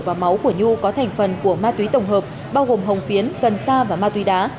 và máu của nhu có thành phần của ma túy tổng hợp bao gồm hồng phiến cần sa và ma túy đá